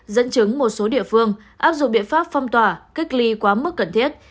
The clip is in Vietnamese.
dẫn chứng một số địa phương áp dụng biện pháp phong tỏa cách ly quá mức cần thiết